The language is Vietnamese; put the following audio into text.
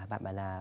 và bạn bảo là